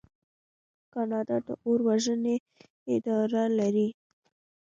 کاناډا د اور وژنې اداره لري.